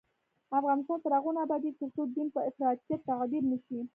افغانستان تر هغو نه ابادیږي، ترڅو دین په افراطیت تعبیر نشي.